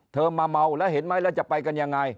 มาเมาแล้วเห็นไหมแล้วจะไปกันยังไง